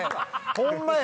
「ホンマや！